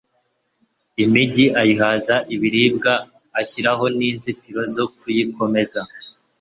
imigi ayihaza ibiribwa, ashyiraho n'inzitiro zo kuyikomeza